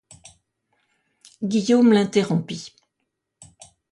Guillaume l'interrompit.